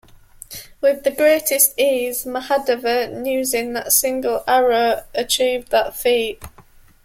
With the greatest ease, Mahadeva, using that single arrow, achieved that feat.